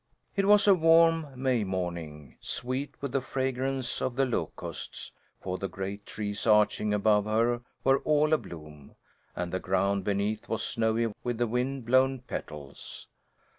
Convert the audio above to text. It was a warm May morning, sweet with the fragrance of the locusts, for the great trees arching above her were all abloom, and the ground beneath was snowy with the wind blown petals.